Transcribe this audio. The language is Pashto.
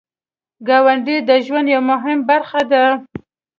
ګاونډی د ژوند یو مهم برخه ده